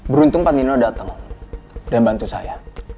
beruntung pak nino datang dan bantu saya